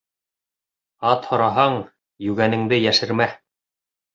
Ат һораһаң, йүгәнеңде йәшермә.